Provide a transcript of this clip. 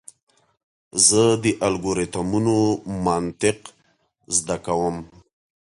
زه د الگوریتمونو منطق زده کوم.